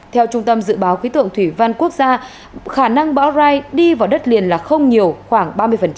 theo trung tâm dự báo khí tượng thủy văn quốc gia khả năng bão rai đi vào đất liền là không nhiều khoảng ba mươi